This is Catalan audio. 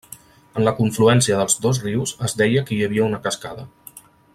En la confluència dels dos rius es deia que hi havia una cascada.